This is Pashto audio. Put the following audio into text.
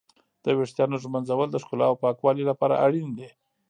د ويښتانو ږمنځول د ښکلا او پاکوالي لپاره اړين دي.